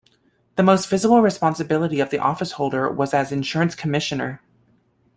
The most visible responsibility of the officeholder was as Insurance Commissioner.